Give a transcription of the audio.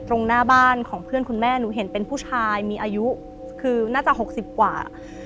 ตรงหน้าบ้านของเพื่อนคุณแม่หนูเห็นเป็นผู้ชายมีอายุคือน่าจะ๖๐กว่า